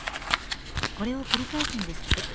これを繰り返すんですって。